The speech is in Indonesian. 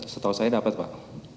setahu saya dapat pak